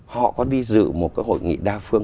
họ có đi dự một cái hội nghị đa phương